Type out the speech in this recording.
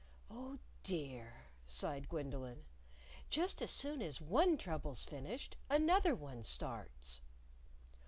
"Oh, dear!" sighed Gwendolyn; "just as soon as one trouble's finished, another one starts!"